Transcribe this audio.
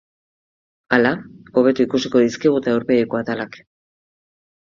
Hala, hobeto ikusiko dizkigute aurpegiko atalak.